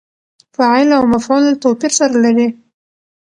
فاعل او مفعول توپیر سره لري.